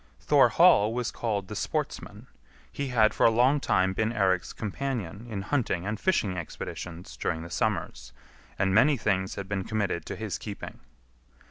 Thorhall was called the Sportsman; he had for a long time been Eirik's companion in hunting and fishing expeditions during the summers, and many things had been committed to his keeping.